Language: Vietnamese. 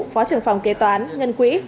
phó trưởng phòng kế toán ngân quỹ